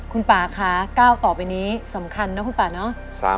คุณป่าคะก้าวต่อไปนี้สำคัญนะคุณป่าเนาะ